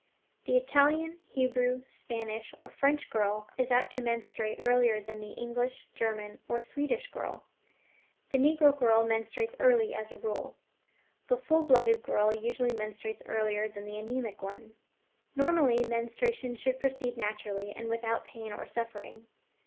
The Italian, Hebrew, Spanish, or French girl is apt to menstruate earlier than the English, German, or Swedish girl. The Negro girl menstruates early, as a rule. The full blooded girl usually menstruates earlier than the anemic one. Normally, menstruation should proceed naturally and without pain or suffering.